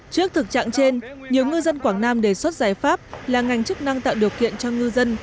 trước thực trạng trên nhiều ngư dân quảng nam đề xuất giải pháp là ngành chức năng tạo điều kiện cho ngư dân